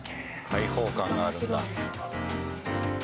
解放感があるんだ。